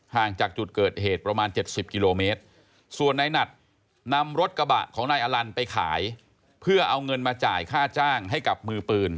ห่างจากจุดเกิดเหตุประมาณ๗๐กิโลเมตร